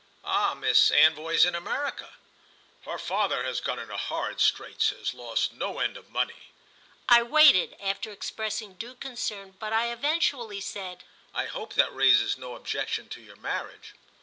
"Ah Miss Anvoy's in America?" "Her father has got into horrid straits—has lost no end of money." I waited, after expressing due concern, but I eventually said: "I hope that raises no objection to your marriage."